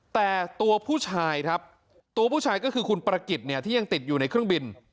แต่ตัวผู้ชายครับตัวผู้ชายก็คือคุณประกิจเนี่ยที่ยังติดอยู่ในเครื่องบิน